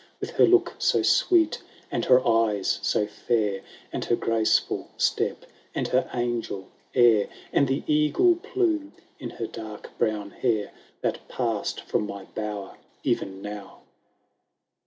With her look so sweet and her eyes so fiiir, And her graceful step and her angel air, And the eagle plume in her dark brown hair. That passed from my bower e*en now